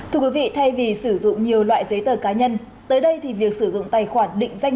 thưa quý vị thay vì sử dụng nhiều loại giấy tờ cá nhân tới đây thì việc sử dụng tài khoản định danh